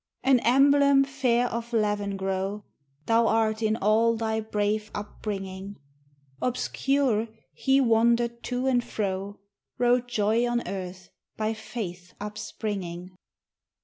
An emblem fair of Lavengro, Thou art in all thy brave upbringing; Obscure, he wandered to and fro, Wrote joy on earth by faith upspringing.